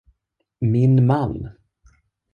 Min man!